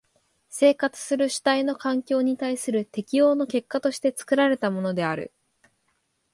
生活する主体の環境に対する適応の結果として作られたものである。